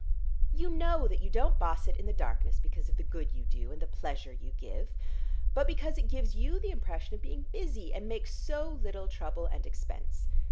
You know that you don't boss it in the darkness because of the good you do, and the pleasure you give, but because it gives you the impression of being busy, and makes so little trouble and expense.